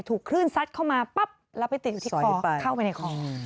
ถูกคลื่นซัดเข้ามาปั๊บแล้วไปติดอยู่ที่คอเข้าไปในคอ